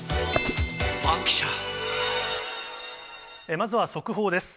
まずは速報です。